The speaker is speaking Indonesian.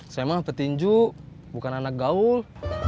saya emang petinju bukan anak gaul